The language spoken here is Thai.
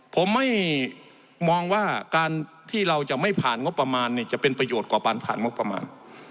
ผมไม่มองว่าการที่เราจะไม่ผ่านงบประมาณจะเป็นประโยชน์ต่อการผ่านงบประมาณ